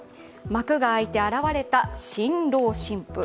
幕が開いて現れた新郎新婦。